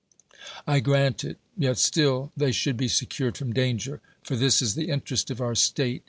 I grant it. Yet still they should be secured from danger; for this is the interest of our state.